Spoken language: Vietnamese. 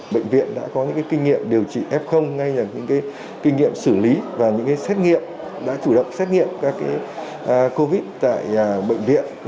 bệnh viện đã có những kinh nghiệm điều trị f kinh nghiệm xử lý và những xét nghiệm đã chủ động xét nghiệm các covid tại bệnh viện